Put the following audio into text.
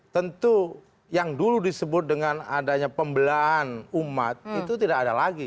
tentu yang dulu disebut dengan adanya pembelahan umat itu tidak ada lagi